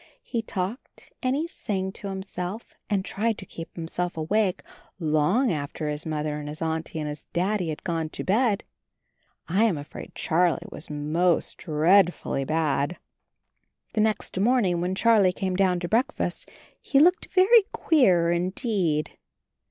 He talked and he sang to himself and tried to keep himself awake long after his Mother and his Auntie and his Daddy had gone to bed. I am afraid Charlie was most dreadfully bad. The next morning when Charlie came down to breakfast he looked very queer in deed.